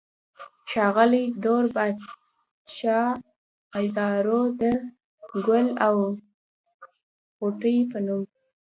ښاغلي دور بادشاه ادوار د " ګل او غوټۍ" پۀ نوم